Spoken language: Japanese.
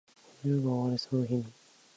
この世が終わるその日に